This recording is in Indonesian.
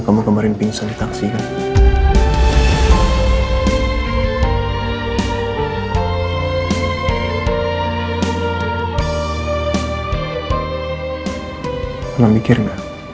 kamu kemarin pingsan di taksi kan